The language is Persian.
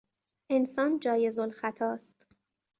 انسان جایز الخطا است.